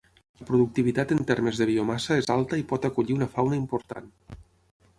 La productivitat en termes de biomassa és alta i pot acollir una fauna important.